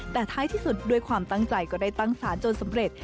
แต่ท้ายที่สุดด้วยความตั้งใจก็ได้ตั้งสารจนสำเร็จ